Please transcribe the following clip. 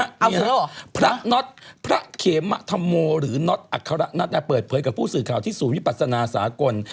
เอาพระน็อตพระเขมธรรโมหรือน็อตอัคระน็อตเปิดเผยกับผู้สื่อข่าวที่ศูนย์วิปัสนาสากล